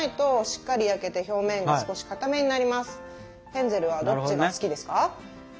ヘンゼルはどっちが好きですか？